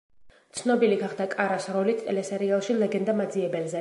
ცნობილი გახდა კარას როლით ტელესერიალში „ლეგენდა მაძიებელზე“.